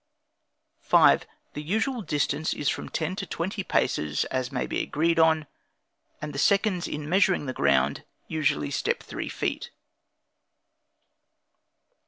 5. The usual distance is from ten to twenty paces, as may be agreed on; and the seconds in measuring the ground, usually step three feet.